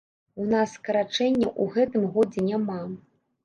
У нас скарачэнняў у гэтым годзе няма.